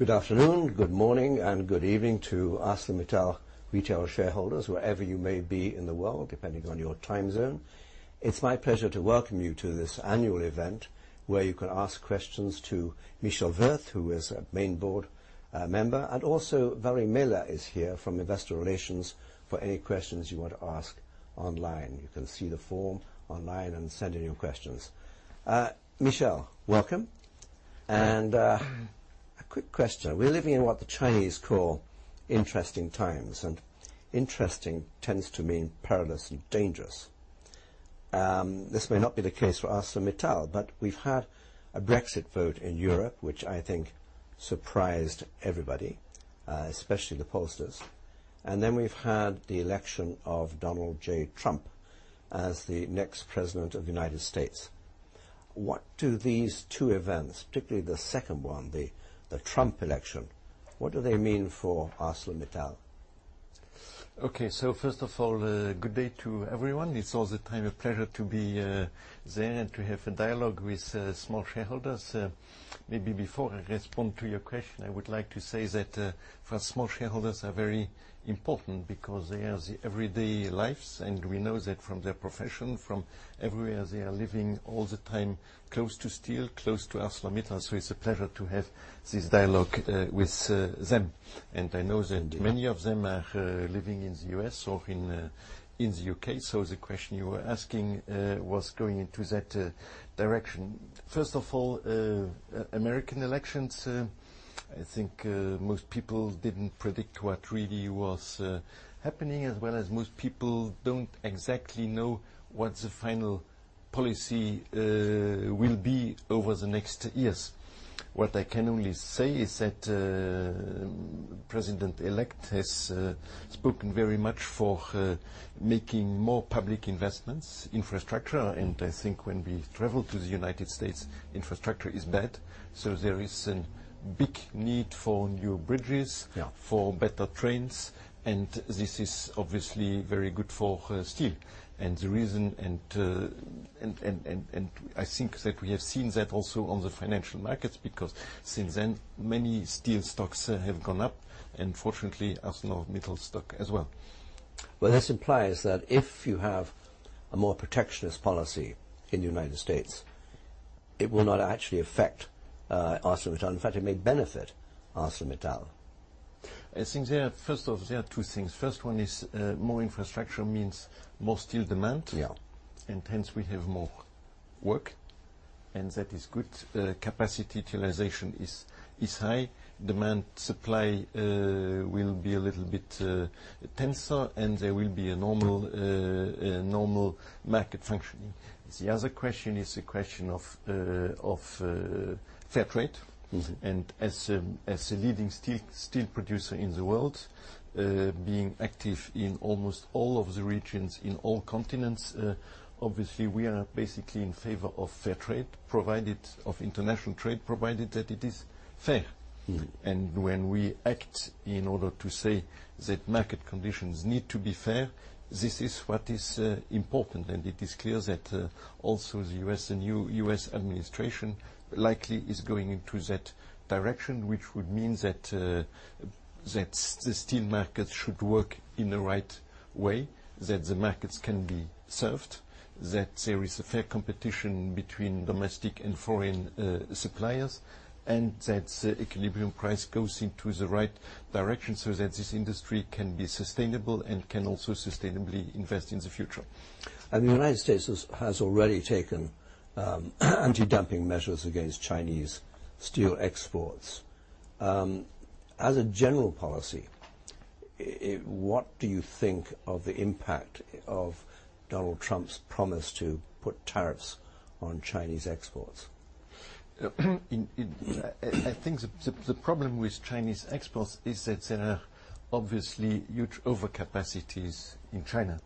Good afternoon, good morning, and good evening to ArcelorMittal retail shareholders, wherever you may be in the world, depending on your time zone. It's my pleasure to welcome you to this annual event where you can ask questions to Michel Wurth, who is a main board member. Valérie Mella is here from investor relations for any questions you want to ask online. You can see the form online and send in your questions. Michel, welcome. Hi. A quick question. We're living in what the Chinese call interesting times, and interesting tends to mean perilous and dangerous. This may not be the case for ArcelorMittal, but we've had a Brexit vote in Europe, which I think surprised everybody, especially the pollsters. We've had the election of Donald J. Trump as the next President of the U.S. What do these two events, particularly the second one, the Trump election, what do they mean for ArcelorMittal? First of all, good day to everyone. It's always a pleasure to be there and to have a dialogue with small shareholders. Maybe before I respond to your question, I would like to say that for us, small shareholders are very important because they are the everyday lives, and we know that from their profession, from everywhere they are living all the time close to steel, close to ArcelorMittal. It's a pleasure to have this dialogue with them. I know that. Indeed Many of them are living in the U.S. or in the U.K. The question you were asking was going into that direction. First of all, American elections, I think most people didn't predict what really was happening, as well as most people don't exactly know what the final policy will be over the next years. What I can only say is that President-elect has spoken very much for making more public investments, infrastructure. I think when we travel to the U.S., infrastructure is bad. There is a big need for new bridges. Yeah For better trains, this is obviously very good for steel. I think that we have seen that also on the financial markets, because since then, many steel stocks have gone up, and fortunately, ArcelorMittal stock as well. Well, this implies that if you have a more protectionist policy in the United States, it will not actually affect ArcelorMittal. In fact, it may benefit ArcelorMittal. I think there are two things. First one is more infrastructure means more steel demand. Yeah. Hence we have more work, and that is good. Capacity utilization is high. Demand supply will be a little bit tenser, and there will be a normal market functioning. The other question is a question of fair trade. As a leading steel producer in the world, being active in almost all of the regions, in all continents, obviously we are basically in favor of fair trade, of international trade, provided that it is fair. When we act in order to say that market conditions need to be fair, this is what is important. It is clear that also the U.S. and new U.S. administration likely is going into that direction, which would mean that the steel market should work in the right way, that the markets can be served, that there is a fair competition between domestic and foreign suppliers, and that equilibrium price goes into the right direction so that this industry can be sustainable and can also sustainably invest in the future. The United States has already taken anti-dumping measures against Chinese steel exports. As a general policy, what do you think of the impact of Donald Trump's promise to put tariffs on Chinese exports? I think the problem with Chinese exports is that there are obviously huge overcapacities in China.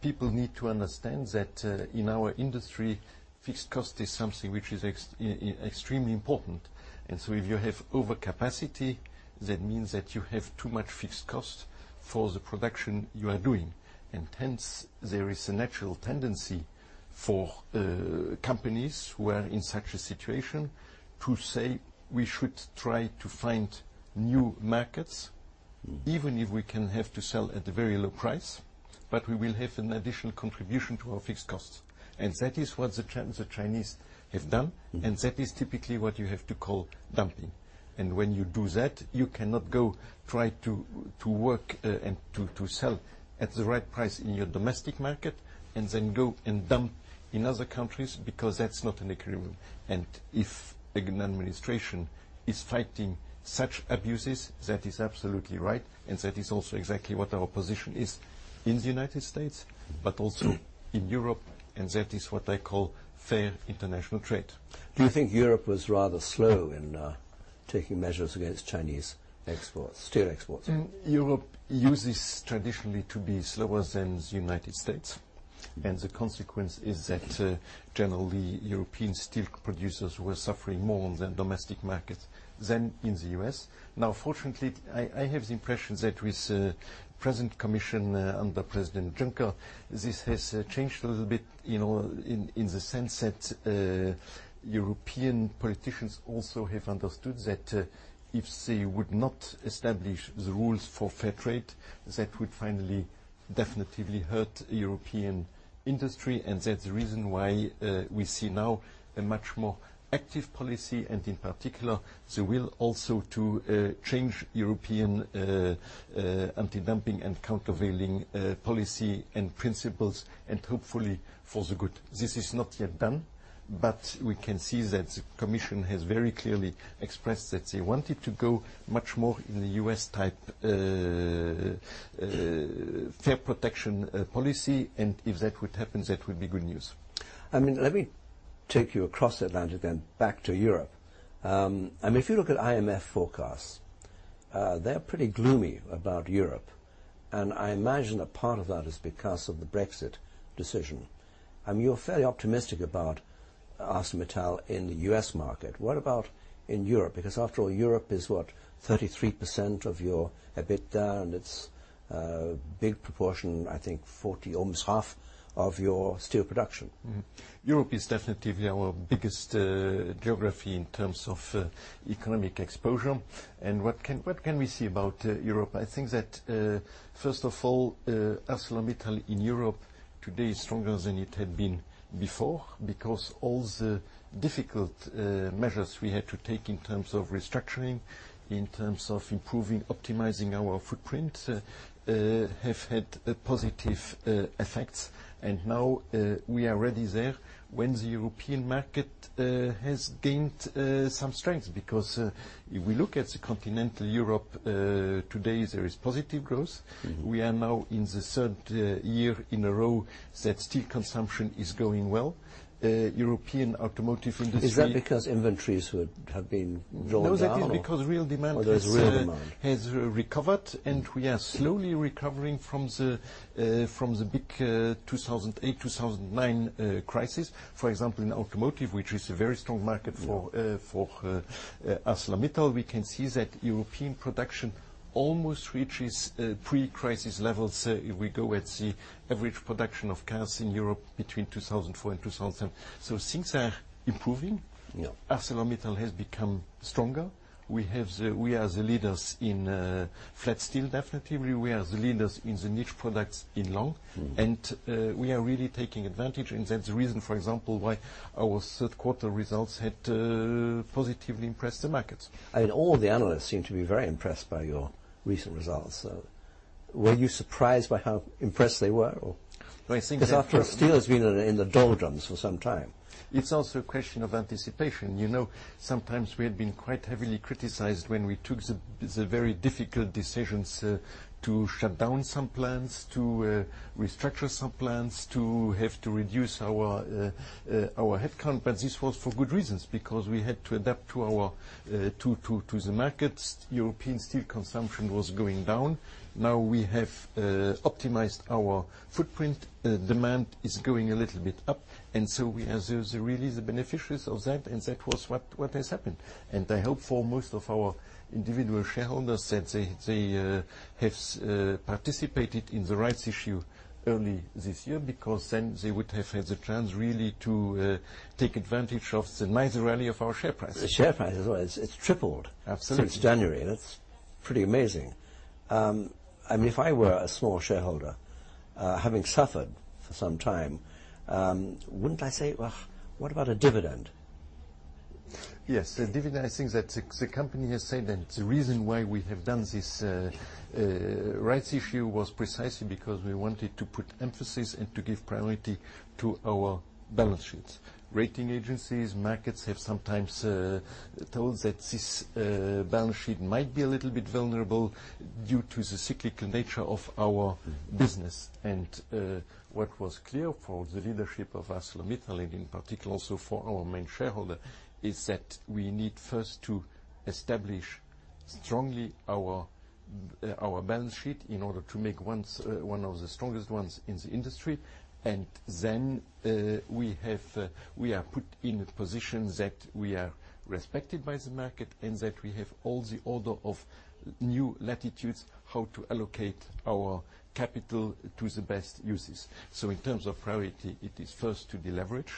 People need to understand that in our industry, fixed cost is something which is extremely important. If you have overcapacity, that means that you have too much fixed cost for the production you are doing. Hence, there is a natural tendency for companies who are in such a situation to say we should try to find new markets, even if we can have to sell at a very low price, but we will have an additional contribution to our fixed costs. That is what the Chinese have done, and that is typically what you have to call dumping. When you do that, you cannot go try to work and to sell at the right price in your domestic market and then go and dump in other countries, because that's not an agreement. If an administration is fighting such abuses, that is absolutely right, and that is also exactly what our position is in the U.S., but also in Europe, and that is what I call fair international trade. Do you think Europe was rather slow in taking measures against Chinese exports, steel exports? Europe uses traditionally to be slower than the U.S. The consequence is that, generally, European steel producers were suffering more on their domestic markets than in the U.S. Fortunately, I have the impression that with the present Commission under President Juncker, this has changed a little bit in the sense that European politicians also have understood that if they would not establish the rules for fair trade, that would finally definitely hurt European industry. That's the reason why we see now a much more active policy, and in particular, the will also to change European anti-dumping and countervailing policy and principles, and hopefully for the good. This is not yet done, but we can see that the Commission has very clearly expressed that they wanted to go much more in the U.S. type fair protection policy. If that would happen, that would be good news. Let me take you across Atlantic then back to Europe. If you look at IMF forecasts, they're pretty gloomy about Europe, and I imagine a part of that is because of the Brexit decision. You're fairly optimistic about ArcelorMittal in the U.S. market. What about in Europe? After all, Europe is what? 33% of your EBITDA, and it's a big proportion, I think 40%, almost half of your steel production. Mm-hmm. Europe is definitely our biggest geography in terms of economic exposure. What can we say about Europe? I think that, first of all, ArcelorMittal in Europe today is stronger than it had been before because all the difficult measures we had to take in terms of restructuring, in terms of improving, optimizing our footprint, have had positive effects. Now, we are ready there when the European market has gained some strength. If we look at the continental Europe, today, there is positive growth. We are now in the third year in a row that steel consumption is going well. European automotive industry- Is that because inventories would have been drawn down or- No, that is because real demand has- There's real demand? recovered, and we are slowly recovering from the big 2008-2009 crisis. For example, in automotive, which is a very strong market for ArcelorMittal, we can see that European production almost reaches pre-crisis levels if we go at the average production of cars in Europe between 2004 and 2007. Things are improving. Yeah. ArcelorMittal has become stronger. We are the leaders in flat steel, definitely. We are the leaders in the niche products in long. We are really taking advantage, and that's the reason, for example, why our third quarter results had positively impressed the markets. All the analysts seem to be very impressed by your recent results. Were you surprised by how impressed they were? Well, I think. After all, steel has been in the doldrums for some time. It's also a question of anticipation. Sometimes we had been quite heavily criticized when we took the very difficult decisions to shut down some plants, to restructure some plants, to have to reduce our headcount. This was for good reasons, because we had to adapt to the markets. European steel consumption was going down. Now we have optimized our footprint. Demand is going a little bit up. We are really the beneficiaries of that, and that was what has happened. I hope for most of our individual shareholders that they have participated in the rights issue early this year, because then they would have had the chance really to take advantage of the nice rally of our share price. The share price as well. It's tripled. Absolutely since January. That's pretty amazing. If I were a small shareholder, having suffered for some time, wouldn't I say, "Well, what about a dividend? Yes, a dividend. I think that the company has said that the reason why we have done this rights issue was precisely because we wanted to put emphasis and to give priority to our balance sheets. Rating agencies, markets have sometimes told that this balance sheet might be a little bit vulnerable due to the cyclical nature of our business. What was clear for the leadership of ArcelorMittal, and in particular also for our main shareholder, is that we need first to establish strongly our balance sheet in order to make one of the strongest ones in the industry. Then we are put in a position that we are respected by the market and that we have all the order of new latitudes how to allocate our capital to the best uses. So in terms of priority, it is first to deleverage.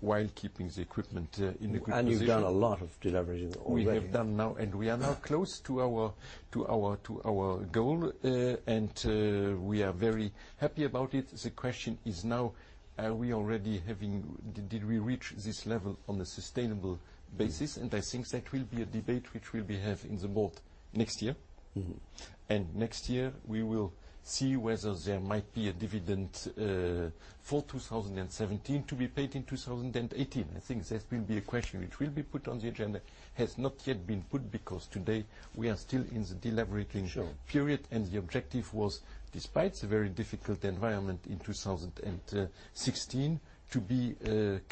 while keeping the equipment in a good position. You've done a lot of deleveraging already. We have done now, and we are now close to our goal, and we are very happy about it. The question is now, did we reach this level on a sustainable basis? I think that will be a debate which we will have in the board next year. Next year, we will see whether there might be a dividend for 2017 to be paid in 2018. I think that will be a question which will be put on the agenda. Has not yet been put because today we are still in the deleveraging- Sure period. The objective was, despite the very difficult environment in 2016, to be at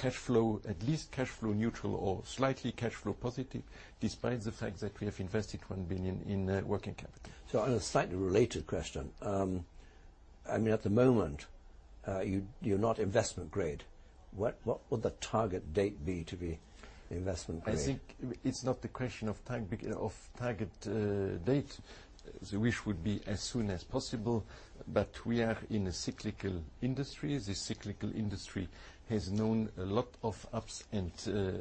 least cash flow neutral or slightly cash flow positive, despite the fact that we have invested 1 billion in working capital. At the moment, you're not investment grade. What would the target date be to be investment grade? I think it's not the question of target date. The wish would be as soon as possible, but we are in a cyclical industry. The cyclical industry has known a lot of ups and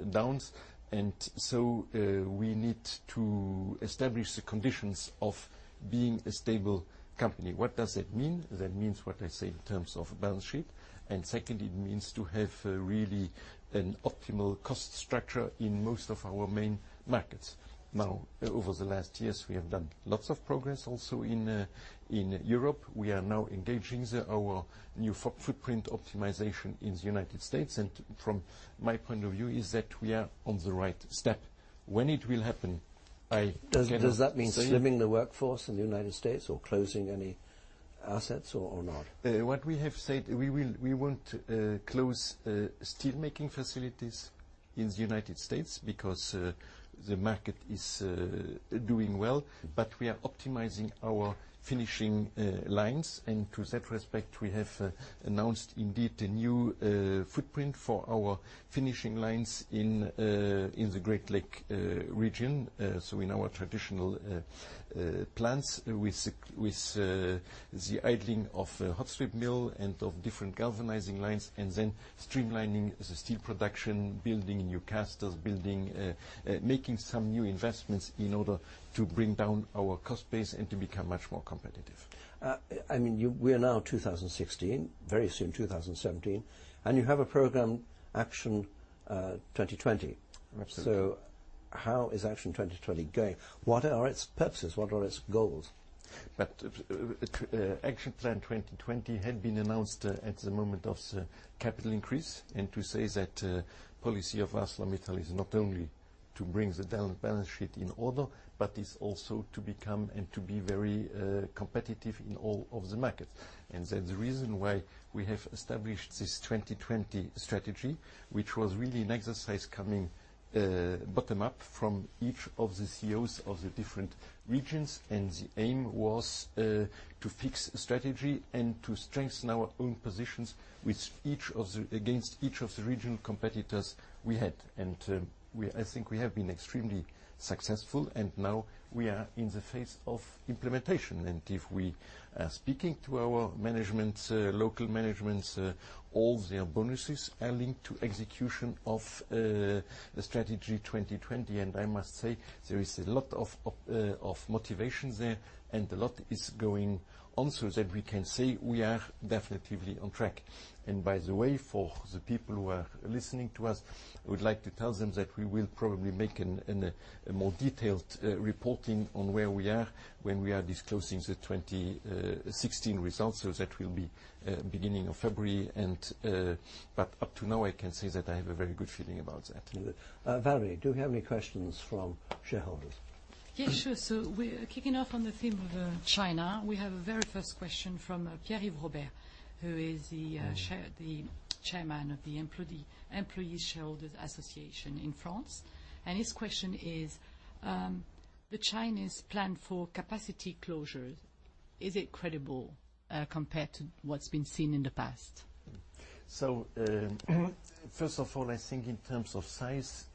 downs. We need to establish the conditions of being a stable company. What does that mean? That means what I say in terms of balance sheet, and secondly, it means to have really an optimal cost structure in most of our main markets. Over the last years, we have done lots of progress also in Europe. We are now engaging our new footprint optimization in the U.S. From my point of view, is that we are on the right step. When it will happen, I cannot say. Does that mean slimming the workforce in the U.S. or closing any assets or not? What we have said, we won't close steelmaking facilities in the U.S. because the market is doing well, but we are optimizing our finishing lines. To that respect, we have announced indeed a new footprint for our finishing lines in the Great Lakes region. In our traditional plants, with the idling of hot strip mill and of different galvanizing lines, and then streamlining the steel production, building new casters, making some new investments in order to bring down our cost base and to become much more competitive. We are now 2016, very soon 2017. You have a program Action 2020. Absolutely. How is Action 2020 going? What are its purposes? What are its goals? Action Plan 2020 had been announced at the moment of the capital increase, to say that policy of ArcelorMittal is not only to bring the balance sheet in order, but it's also to become and to be very competitive in all of the markets. That the reason why we have established this 2020 strategy, which was really an exercise coming bottom up from each of the CEOs of the different regions, and the aim was to fix strategy and to strengthen our own positions against each of the regional competitors we had. I think we have been extremely successful, and now we are in the phase of implementation. If we are speaking to our local managements, all their bonuses are linked to execution of Strategy 2020. I must say there is a lot of motivation there, and a lot is going on so that we can say we are definitely on track. By the way, for the people who are listening to us, I would like to tell them that we will probably make a more detailed reporting on where we are when we are disclosing the 2016 results. That will be beginning of February. Up to now, I can say that I have a very good feeling about that. Valérie, do we have any questions from shareholders? Yeah, sure. We're kicking off on the theme of China. We have a very first question from Pierre Robert, who is the Chairman of the Employee Shareholders Association in France. His question is, "The Chinese plan for capacity closures, is it credible compared to what's been seen in the past? First of all, I think in terms of size,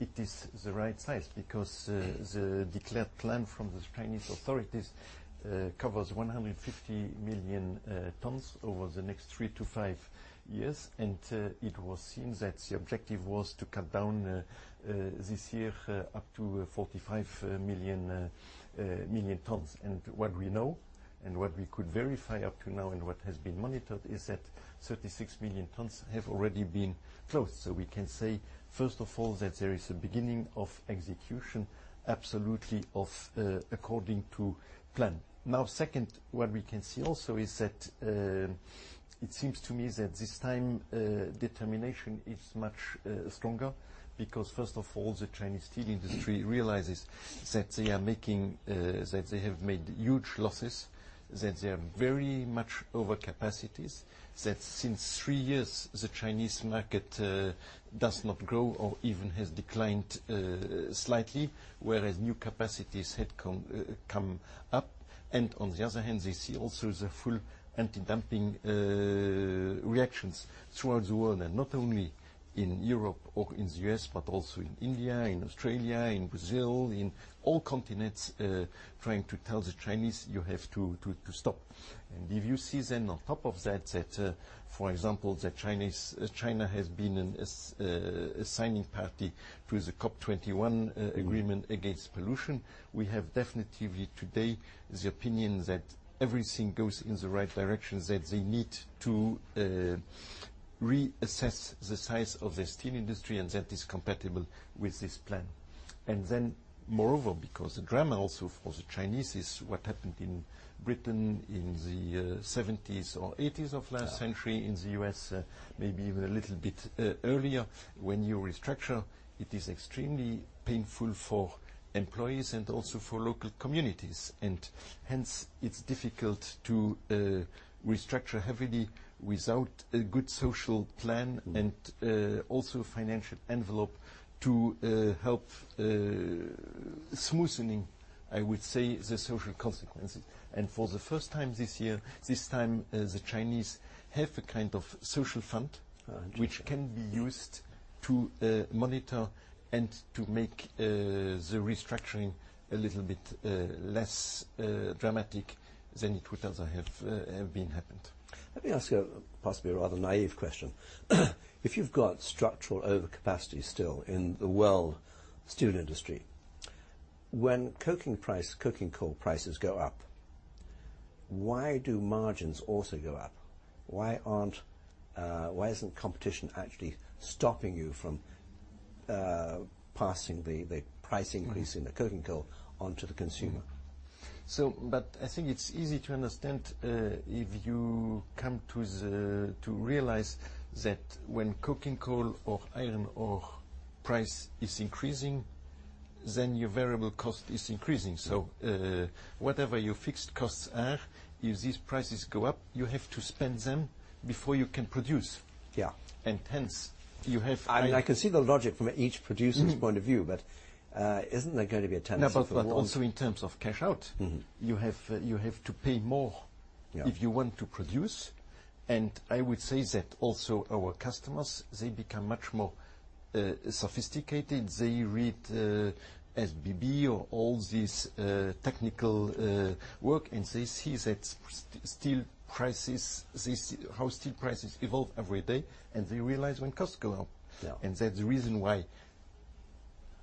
it is the right size because the declared plan from the Chinese authorities covers 150 million tons over the next three to five years. It was seen that the objective was to cut down this year up to 45 million tons. What we know and what we could verify up to now and what has been monitored is that 36 million tons have already been closed. We can say, first of all, that there is a beginning of execution absolutely according to plan. Now, second, what we can see also is that it seems to me that this time determination is much stronger because first of all, the Chinese steel industry realizes that they have made huge losses, that they are very much over capacities, that since three years, the Chinese market does not grow or even has declined slightly, whereas new capacities had come up. On the other hand, they see also the full anti-dumping reactions throughout the world, and not only in Europe or in the U.S., but also in India, in Australia, in Brazil, in all continents, trying to tell the Chinese, "You have to stop." If you see then on top of that, for example, that China has been a signing party to the COP21 agreement against pollution. We have definitely today the opinion that everything goes in the right direction, that they need to reassess the size of their steel industry, and that is compatible with this plan. Moreover, because the drama also for the Chinese is what happened in Britain in the '70s or '80s of last century, in the U.S., maybe even a little bit earlier. When you restructure, it is extremely painful for employees and also for local communities. Hence, it's difficult to restructure heavily without a good social plan and also financial envelope to help smoothening I would say the social consequences. For the first time this year, this time, the Chinese have a kind of social fund. Interesting. which can be used to monitor and to make the restructuring a little bit less dramatic than it would otherwise have been happened. Let me ask you possibly a rather naive question. If you've got structural overcapacity still in the world steel industry, when coking coal prices go up, why do margins also go up? Why isn't competition actually stopping you from passing the price increase in the coking coal onto the consumer? I think it's easy to understand if you come to realize that when coking coal or iron ore price is increasing, your variable cost is increasing. Whatever your fixed costs are, if these prices go up, you have to spend them before you can produce. Yeah. Hence, you have I can see the logic from each producer's point of view, but isn't there going to be a tendency towards No, but also in terms of cash out. You have to pay more. Yeah if you want to produce. I would say that also our customers, they become much more sophisticated. They read SBB or all these technical work, and they see how steel prices evolve every day, and they realize when costs go up. Yeah. That's the reason why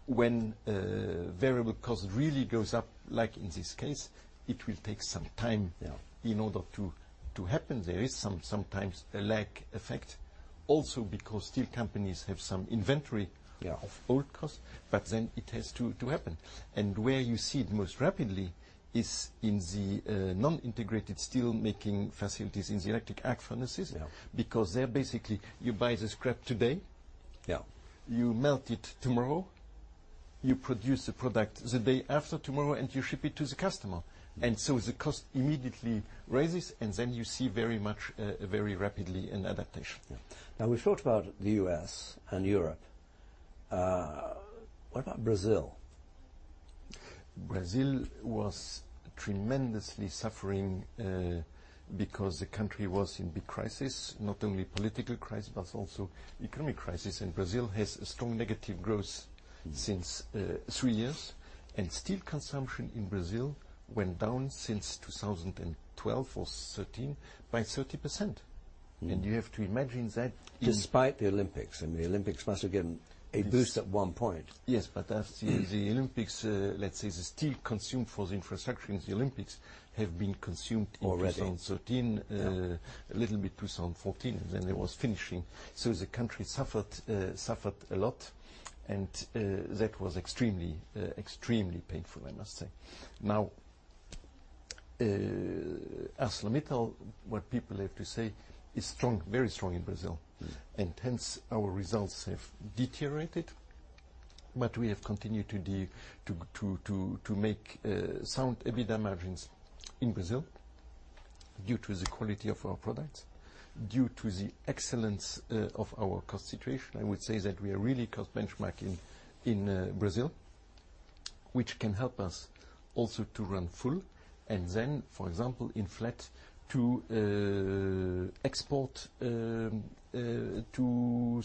when variable cost really goes up, like in this case, it will take some time. Yeah in order to happen. There is sometimes a lag effect. Also because steel companies have some inventory. Yeah of old cost, but then it has to happen. Where you see it most rapidly is in the non-integrated steelmaking facilities in the electric arc furnaces. Yeah. Because there basically you buy the scrap today. Yeah you melt it tomorrow, you produce the product the day after tomorrow, and you ship it to the customer. The cost immediately rises, and then you see very much, very rapidly an adaptation. Now, we've talked about the U.S. and Europe. What about Brazil? Brazil was tremendously suffering, because the country was in big crisis. Not only political crisis, but also economic crisis. Brazil has a strong negative growth since three years. Steel consumption in Brazil went down since 2012 or 2013 by 30%. You have to imagine that- Despite the Olympics. The Olympics must have given a boost at one point. Yes, the Olympics, let's say, the steel consumed for the infrastructure in the Olympics have been consumed in- Already 2013. Yeah. A little bit 2014, it was finishing. The country suffered a lot, and that was extremely painful, I must say. Now, ArcelorMittal, what people have to say, is very strong in Brazil. Hence our results have deteriorated, but we have continued to make sound EBITDA margins in Brazil due to the quality of our products, due to the excellence of our cost situation. I would say that we are really cost benchmarking in Brazil, which can help us also to run full. For example, in flat to export to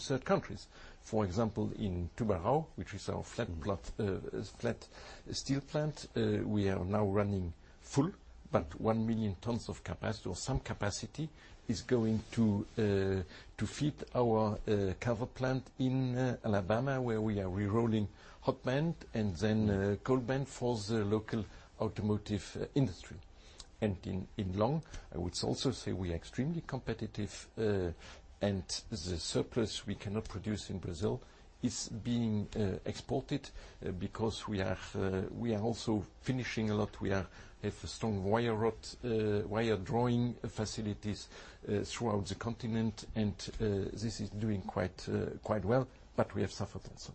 third countries. For example, in Tubarão, which is our flat steel plant, we are now running full, but 1 million tons of capacity, or some capacity, is going to feed our Calvert plant in Alabama, where we are rerolling hot band and then cold band for the local automotive industry. In long, I would also say we are extremely competitive. The surplus we cannot produce in Brazil is being exported because we are also finishing a lot. We have a strong wire rod, wire drawing facilities throughout the continent, and this is doing quite well, but we have suffered also.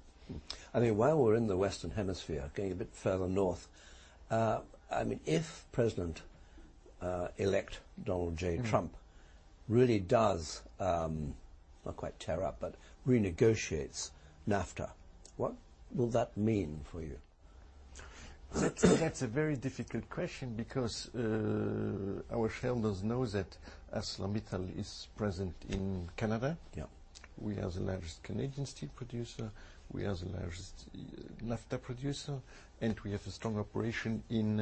While we're in the Western Hemisphere, going a bit further north. If President Elect Donald J. Trump really does, not quite tear up, but renegotiates NAFTA, what will that mean for you? That's a very difficult question because our shareholders know that ArcelorMittal is present in Canada. Yeah. We are the largest Canadian steel producer. We are the largest NAFTA producer, and we have a strong operation in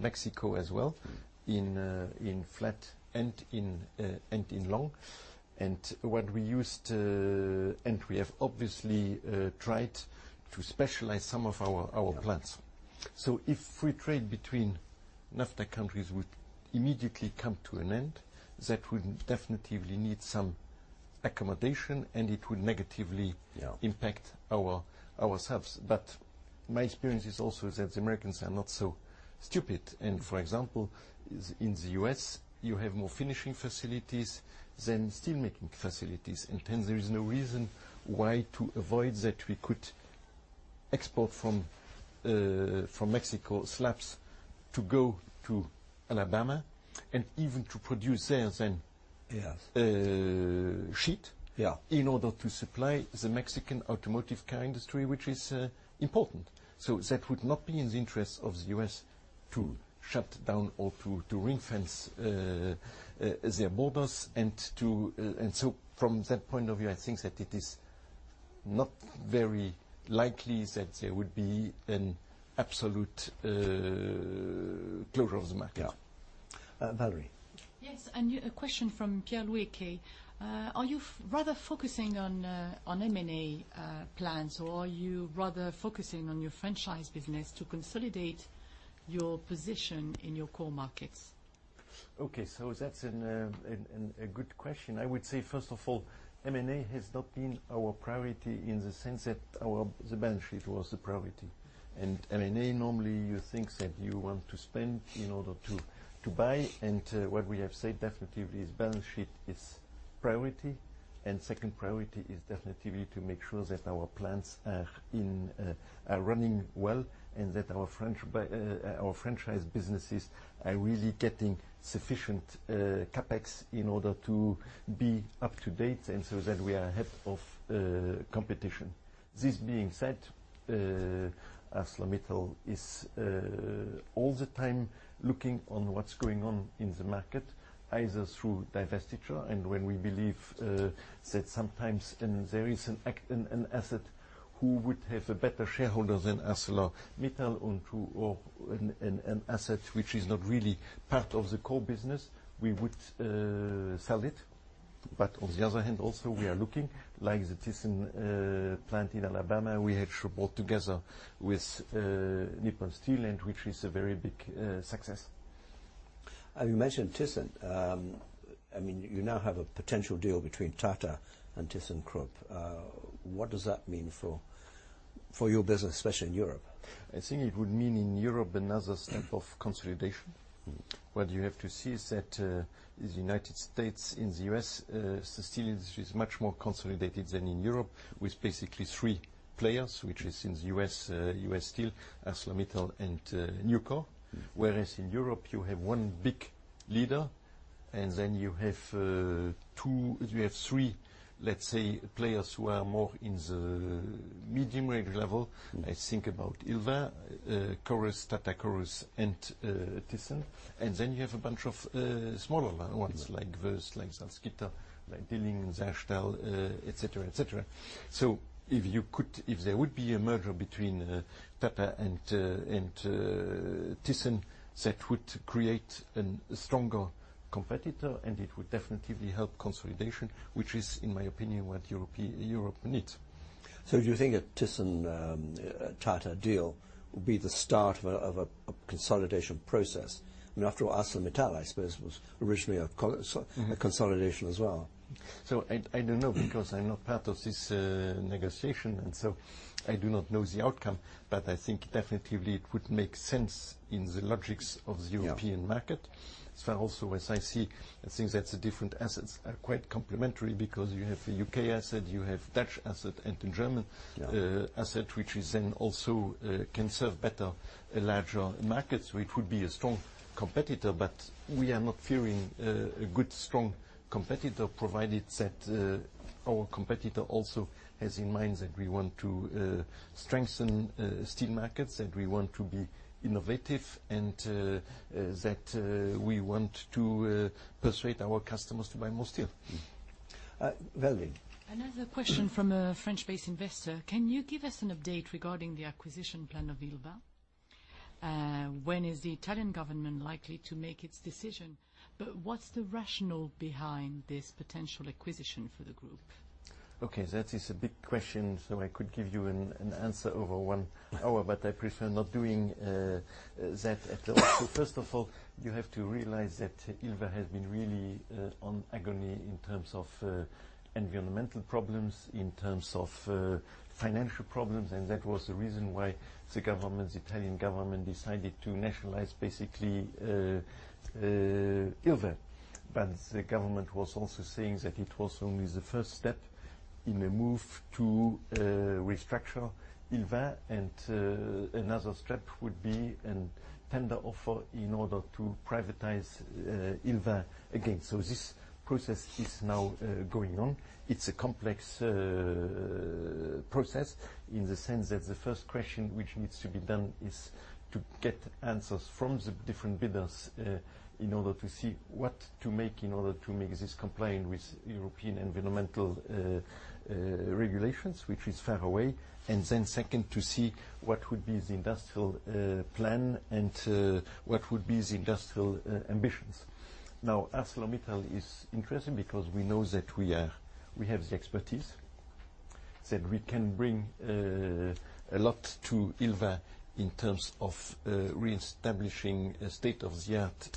Mexico as well, in flat and in long. We have obviously tried to specialize some of our plants. Yeah. If free trade between NAFTA countries would immediately come to an end, that would definitively need some accommodation, and it would. Yeah impact ourselves. My experience is also that the Americans are not so stupid. For example, in the U.S., you have more finishing facilities than steelmaking facilities. There is no reason why to avoid that we could export from Mexico slabs to go to Alabama and even to produce theirs. Yes sheet- Yeah in order to supply the Mexican automotive car industry, which is important. That would not be in the interest of the U.S. to shut down or to ring-fence their borders. From that point of view, I think that it is not very likely that there would be an absolute closure of the market. Yeah. Valérie? Yes. A question from Pierre Luike. Are you rather focusing on M&A plans, or are you rather focusing on your franchise business to consolidate your position in your core markets? Okay. That's a good question. I would say, first of all, M&A has not been our priority in the sense that the balance sheet was the priority. M&A, normally, you think that you want to spend in order to buy, and what we have said definitively is balance sheet is priority. Second priority is definitely to make sure that our plants are running well and that our franchise businesses are really getting sufficient CapEx in order to be up to date, so that we are ahead of competition. This being said, ArcelorMittal is all the time looking on what's going on in the market, either through divestiture. When we believe that sometimes there is an asset who would have a better shareholder than ArcelorMittal or an asset which is not really part of the core business, we would sell it. On the other hand, also, we are looking, like the Thyssen plant in Alabama we had bought together with Nippon Steel, which is a very big success. You mentioned Thyssen. You now have a potential deal between Tata and Thyssenkrupp. What does that mean for your business, especially in Europe? It would mean in Europe another step of consolidation. What you have to see is that in the United States, in the U.S., the steel industry is much more consolidated than in Europe, with basically three players, which is in the U.S., U.S. Steel, ArcelorMittal, and Nucor. Whereas in Europe, you have one big leader, and then you have three, let's say, players who are more in the medium range level. About ILVA, Corus, Tata Corus, and Thyssen. Then you have a bunch of smaller ones, like voestalpine, like Salzgitter, like Dillinger, Saarstahl, et cetera. If there would be a merger between Tata and Thyssen, that would create a stronger competitor, and it would definitely help consolidation, which is, in my opinion, what Europe needs. Do you think a Thyssen-Tata deal would be the start of a consolidation process? After all, ArcelorMittal, I suppose, was originally a consolidation as well. I don't know because I'm not part of this negotiation, and I do not know the outcome. Definitely it would make sense in the logics of the European market. As far also as I see, the different assets are quite complementary because you have the U.K. asset, you have Dutch asset, and the German asset, which also can serve better larger markets. It would be a strong competitor, but we are not fearing a good, strong competitor, provided that our competitor also has in mind that we want to strengthen steel markets, that we want to be innovative, and that we want to persuade our customers to buy more steel. Valérie. Another question from a French-based investor. Can you give us an update regarding the acquisition plan of ILVA? When is the Italian government likely to make its decision? What's the rationale behind this potential acquisition for the group? Okay, that is a big question, so I could give you an answer over one hour, but I prefer not doing that at all. First of all, you have to realize that ILVA has been really on agony in terms of environmental problems, in terms of financial problems, and that was the reason why the Italian government decided to nationalize, basically, ILVA. The government was also saying that it was only the first step in a move to restructure ILVA, and another step would be a tender offer in order to privatize ILVA again. This process is now going on. It's a complex process in the sense that the first question which needs to be done is to get answers from the different bidders in order to see what to make in order to make this compliant with European environmental regulations, which is far away. Second, to see what would be the industrial plan and what would be the industrial ambitions. Now, ArcelorMittal is interested because we know that we have the expertise, that we can bring a lot to ILVA in terms of reestablishing the state of the art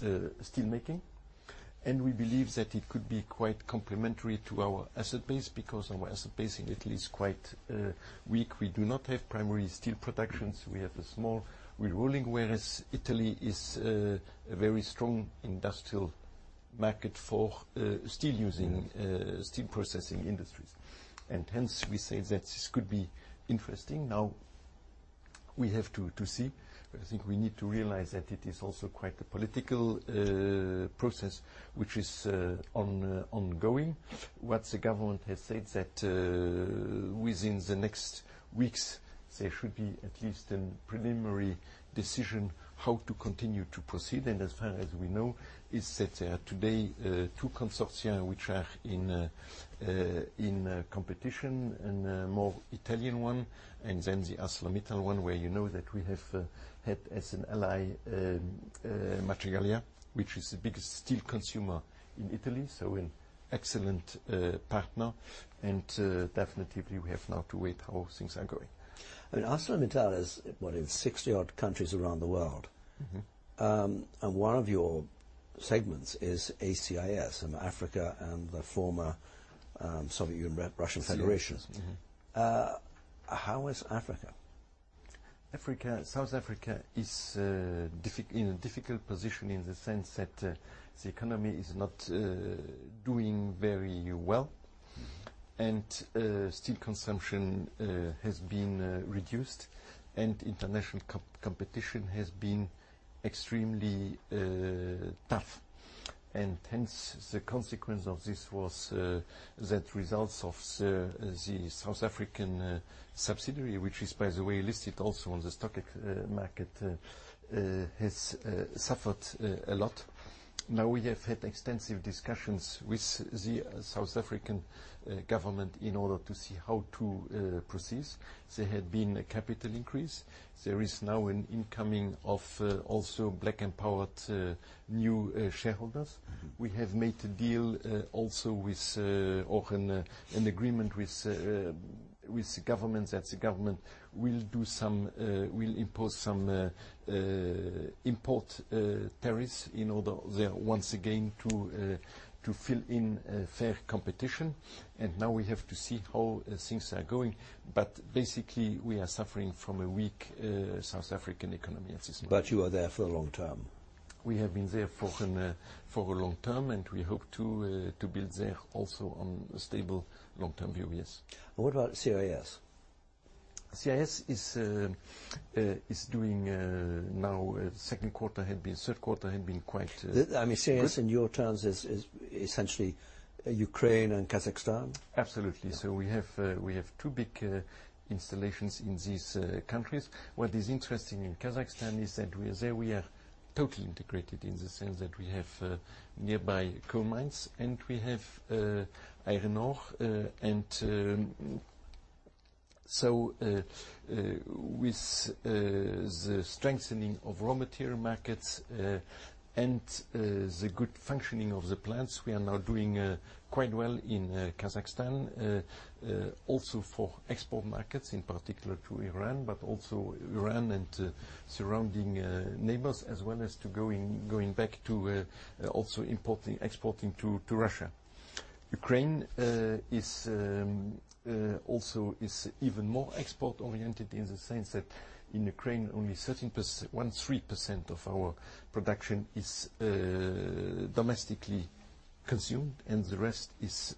steelmaking. We believe that it could be quite complementary to our asset base, because our asset base in Italy is quite weak. We do not have primary steel productions. We have a small wire rod rolling, whereas Italy is a very strong industrial market for steel using, steel processing industries. Hence we say that this could be interesting. Now we have to see, but I think we need to realize that it is also quite a political process which is ongoing. What the government has said that within the next weeks, there should be at least a preliminary decision how to continue to proceed. As far as we know, is that there are today two consortia which are in competition, and a more Italian one, and then the ArcelorMittal one, where you know that we have had as an ally, Marcegaglia, which is the biggest steel consumer in Italy, so an excellent partner. Definitely we have now to wait how things are going. ArcelorMittal is what, in 60-odd countries around the world? One of your segments is ACIS in Africa and the former Soviet Russian Federation. Yes. Mm-hmm. How is Africa? South Africa is in a difficult position in the sense that the economy is not doing very well. Steel consumption has been reduced, international competition has been extremely tough. The consequence of this was that results of the South African subsidiary, which is, by the way, listed also on the stock market, has suffered a lot. Now we have had extensive discussions with the South African government in order to see how to proceed. There had been a capital increase. There is now an incoming of also black empowered new shareholders. We have made a deal also with, or an agreement with the government, that the government will impose some import tariffs in order there, once again, to fill in fair competition. Now we have to see how things are going. Basically, we are suffering from a weak South African economy at this moment. You are there for long term. We have been there for a long term, and we hope to build there also on a stable long-term view. Yes. What about CIS? CIS is doing now, second quarter had been, third quarter had been quite good. CIS in your terms is essentially Ukraine and Kazakhstan? Absolutely. We have two big installations in these countries. What is interesting in Kazakhstan is that there we are totally integrated in the sense that we have nearby coal mines, and we have iron ore. With the strengthening of raw material markets and the good functioning of the plants, we are now doing quite well in Kazakhstan. Also for export markets, in particular to Iran, but also Iran and surrounding neighbors, as well as to going back to also exporting to Russia. Ukraine is even more export oriented in the sense that in Ukraine only 13% of our production is domestically consumed and the rest is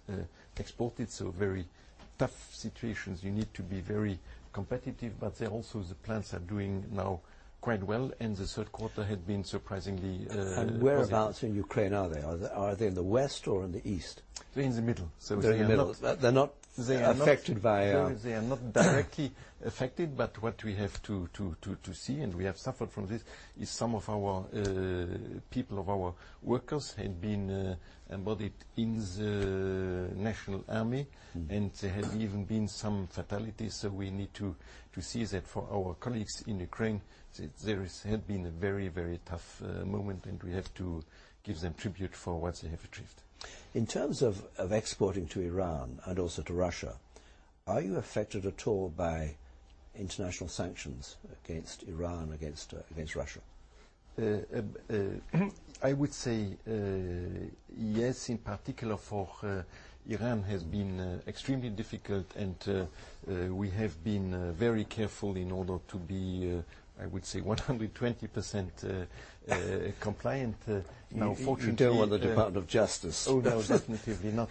exported. Very tough situations. You need to be very competitive. But there also the plants are doing now quite well. The third quarter had been surprisingly positive. Whereabouts in Ukraine are they? Are they in the west or in the east? They're in the middle. They are not- They're in the middle. They're not affected by- They are not directly affected. What we have to see, and we have suffered from this, is some of our people, of our workers, had been embodied in the national army. There had even been some fatalities. We need to see that for our colleagues in Ukraine, there had been a very, very tough moment, and we have to give them tribute for what they have achieved. In terms of exporting to Iran and also to Russia, are you affected at all by international sanctions against Iran, against Russia? I would say yes, in particular for Iran has been extremely difficult and we have been very careful in order to be, I would say 120% compliant. Now fortunately. You don't want the Department of Justice. Oh, no, definitely not.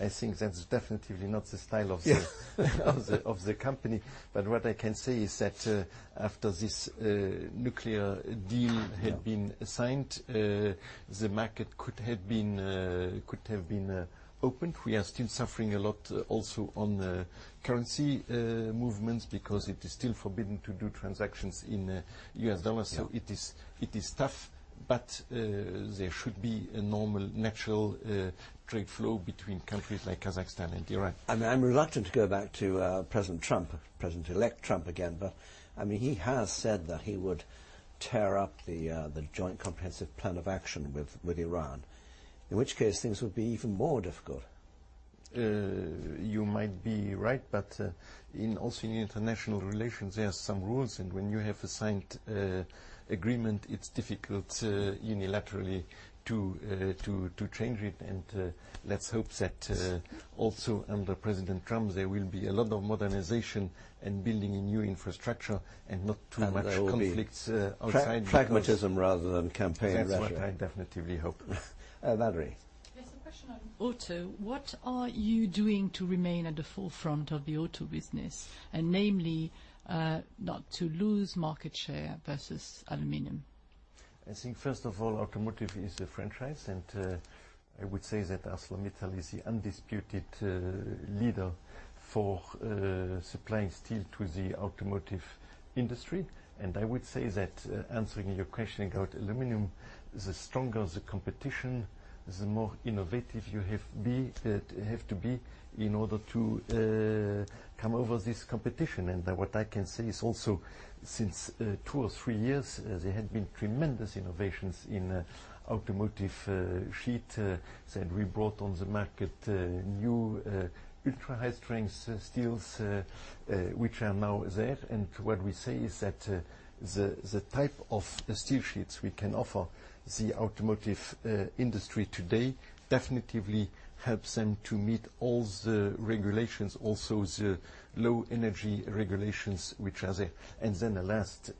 I think that's definitely not the style of the company. What I can say is that after this nuclear deal had been signed, the market could have been opened. We are still suffering a lot also on currency movements because it is still forbidden to do transactions in US dollars. Yeah. It is tough. There should be a normal, natural trade flow between countries like Kazakhstan and Iran. I'm reluctant to go back to President Trump, President-elect Trump again, he has said that he would tear up the Joint Comprehensive Plan of Action with Iran. In which case, things would be even more difficult. You might be right, also in international relations, there are some rules. When you have a signed agreement, it's difficult unilaterally to change it. Let's hope that also under President Trump there will be a lot of modernization and building a new infrastructure and not too much conflicts outside. Pragmatism rather than campaign rhetoric. That's what I definitely hope. Valérie? There's a question on auto. What are you doing to remain at the forefront of the auto business, and namely, not to lose market share versus aluminum? I think first of all, automotive is a franchise. I would say that ArcelorMittal is the undisputed leader for supplying steel to the automotive industry. I would say that, answering your question about aluminum, the stronger the competition, the more innovative you have to be in order to come over this competition. What I can say is also since two or three years, there have been tremendous innovations in automotive sheet, that we brought on the market new ultra-high strength steels, which are now there. What we say is that the type of steel sheets we can offer the automotive industry today definitely helps them to meet all the regulations, also the low energy regulations which are there. Then the last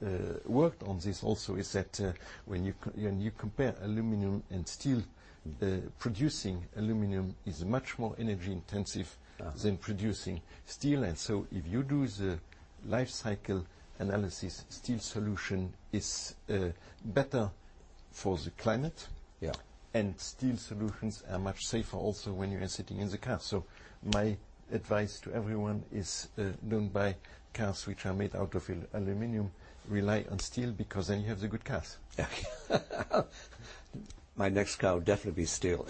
word on this also is that when you compare aluminum and steel, producing aluminum is much more energy intensive than producing steel. If you do the life cycle analysis, steel solution is better for the climate. Yeah. Steel solutions are much safer also when you are sitting in the car. My advice to everyone is, don't buy cars which are made out of aluminum. Rely on steel, because then you have the good cars. Yeah. My next car will definitely be steel.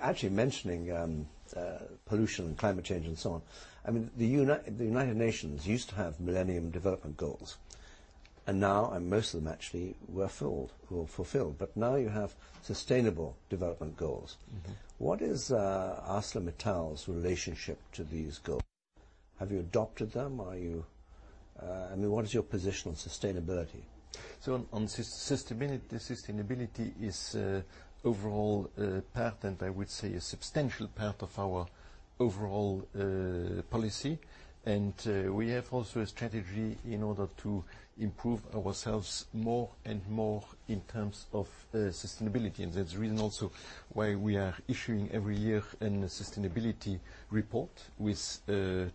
Actually mentioning pollution and climate change and so on. The United Nations used to have Millennium Development Goals. Now most of them actually were fulfilled. Now you have sustainable development goals. What is ArcelorMittal's relationship to these goals? Have you adopted them? What is your position on sustainability? On sustainability, it's overall part, and I would say a substantial part of our overall policy. We have also a strategy in order to improve ourselves more and more in terms of sustainability. That's the reason also why we are issuing every year a sustainability report with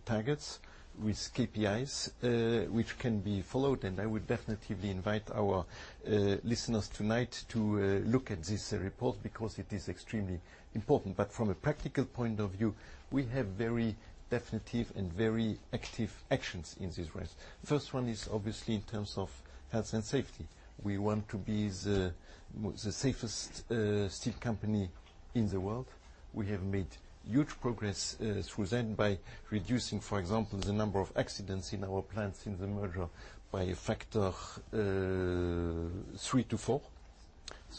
targets, with KPIs, which can be followed. I would definitely invite our listeners tonight to look at this report because it is extremely important. From a practical point of view, we have very definitive and very active actions in this race. First one is obviously in terms of health and safety. We want to be the safest steel company in the world. We have made huge progress through that by reducing, for example, the number of accidents in our plants in the merger by a factor three to four,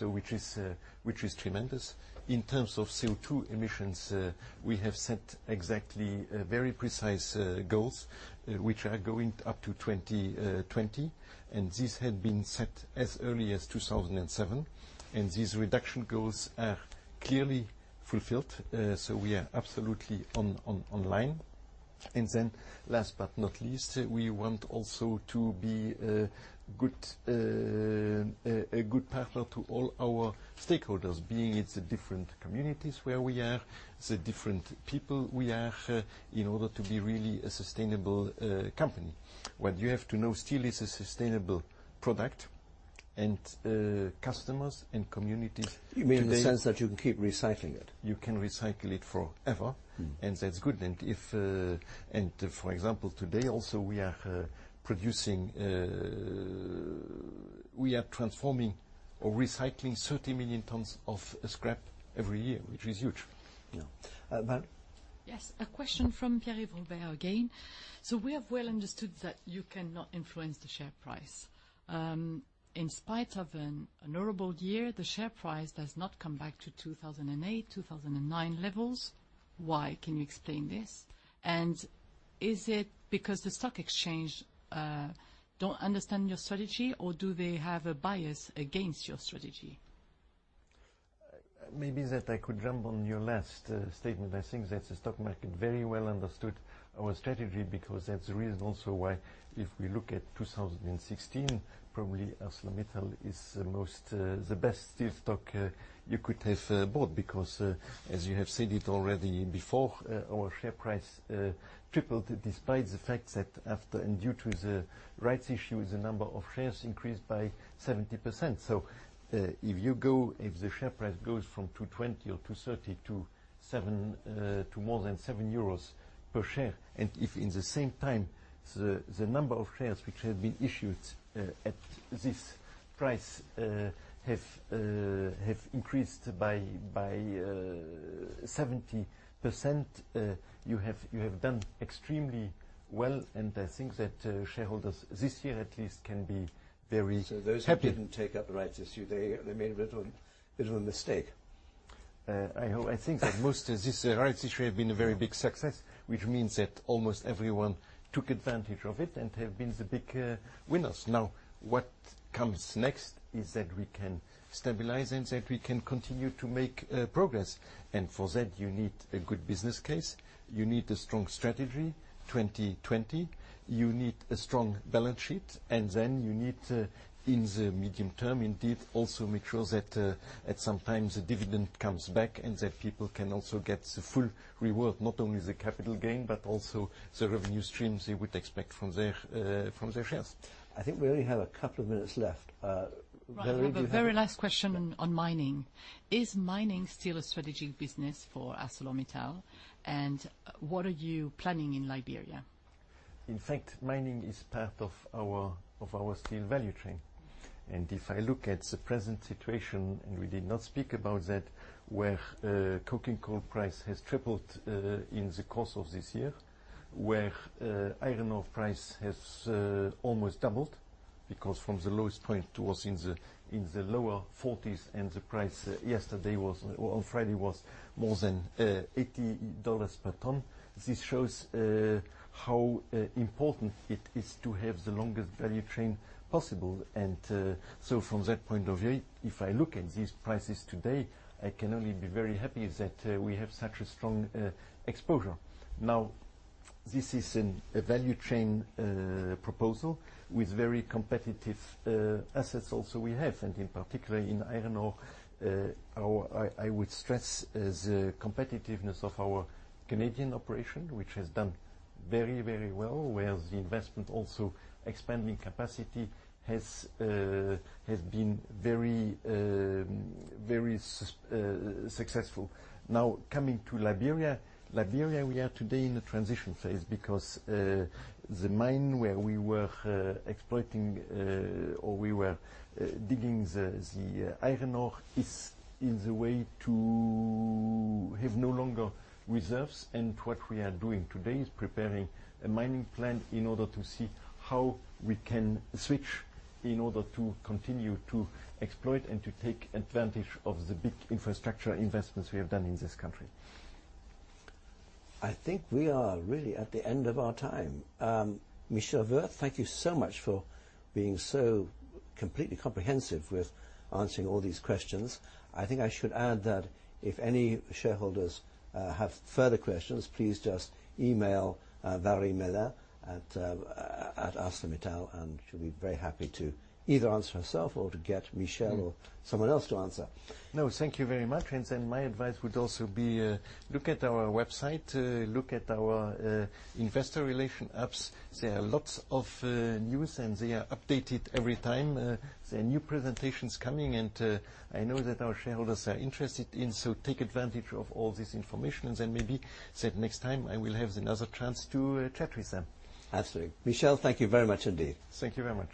which is tremendous. In terms of CO2 emissions, we have set exactly very precise goals, which are going up to 2020, and this had been set as early as 2007. These reduction goals are clearly fulfilled. We are absolutely online. Last but not least, we want also to be a good partner to all our stakeholders, being it's the different communities where we are, the different people we are, in order to be really a sustainable company. What you have to know, steel is a sustainable product, and customers and communities today. You mean in the sense that you can keep recycling it? You can recycle it forever. That's good. For example, today also we are transforming or recycling 30 million tons of scrap every year, which is huge. Yeah. Val? Yes. A question from Pierre Vobair again. We have well understood that you cannot influence the share price. In spite of an honorable year, the share price does not come back to 2008, 2009 levels. Why? Can you explain this? Is it because the stock exchange don't understand your strategy, or do they have a bias against your strategy? Maybe that I could jump on your last statement. I think that the stock market very well understood our strategy because that's the reason also why if we look at 2016, probably ArcelorMittal is the best steel stock you could have bought because, as you have said it already before, our share price tripled despite the fact that after and due to the rights issue, the number of shares increased by 70%. If the share price goes from 220 or 230 to more than 7 euros per share, and if in the same time the number of shares which have been issued at this price have increased by 70%, you have done extremely well. I think that shareholders this year at least can be very happy. Those who didn't take up the rights issue, they made a bit of a mistake. I think that most of this rights issue have been a very big success, which means that almost everyone took advantage of it and have been the big winners. What comes next is that we can stabilize and that we can continue to make progress. For that, you need a good business case. You need a strong strategy, 2020. You need a strong balance sheet. Then you need, in the medium term, indeed, also make sure that at some time, the dividend comes back and that people can also get the full reward, not only the capital gain, but also the revenue streams they would expect from their shares. I think we only have a couple of minutes left. Val, do you have any? The very last question on mining. Is mining still a strategic business for ArcelorMittal, and what are you planning in Liberia? In fact, mining is part of our steel value chain. If I look at the present situation, we did not speak about that, where coking coal price has tripled in the course of this year, where iron ore price has almost doubled, because from the lowest point it was in the lower 40s, the price yesterday, on Friday, was more than EUR 80 per ton. This shows how important it is to have the longest value chain possible. From that point of view, if I look at these prices today, I can only be very happy that we have such a strong exposure. This is a value chain proposal with very competitive assets also we have, in particular in iron ore, I would stress the competitiveness of our Canadian operation, which has done very well. Where the investment also expanding capacity has been very successful. Coming to Liberia. Liberia, we are today in a transition phase because the mine where we were exploiting, or we were digging the iron ore is the way to have no longer reserves. What we are doing today is preparing a mining plan in order to see how we can switch in order to continue to exploit and to take advantage of the big infrastructure investments we have done in this country. I think we are really at the end of our time. Michel Wurth, thank you so much for being so completely comprehensive with answering all these questions. I think I should add that if any shareholders have further questions, please just email Valérie Mella at ArcelorMittal, She'll be very happy to either answer herself or to get Michel or someone else to answer. No, thank you very much. My advice would also be look at our website, look at our investor relations apps. There are lots of news, they are updated every time. There are new presentations coming, I know that our shareholders are interested in, take advantage of all this information. Maybe say next time I will have another chance to chat with them. Absolutely. Michel, thank you very much indeed. Thank you very much.